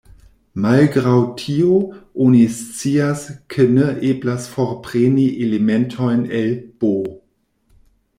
Malgraŭ tio, oni scias ke ne eblas forpreni elementojn el "B".